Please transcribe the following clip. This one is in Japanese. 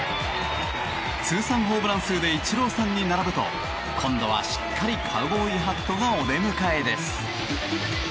通算ホームラン数でイチローさんに並ぶと今度はしっかりカウボーイハットがお出迎えです。